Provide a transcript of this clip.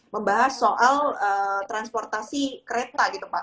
membahas soal transportasi kereta gitu pak